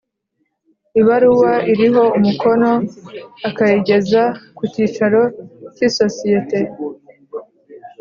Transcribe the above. Ibaruwa iriho umukono akayigeza ku cyicaro cy i sosiyete